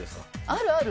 あるある。